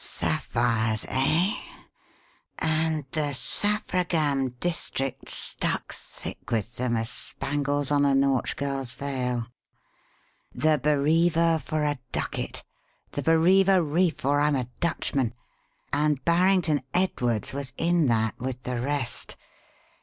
Sapphires, eh? And the Saffragam district stuck thick with them as spangles on a Nautch girl's veil. The Bareva for a ducat! The Bareva Reef or I'm a Dutchman! And Barrington Edwards was in that with the rest.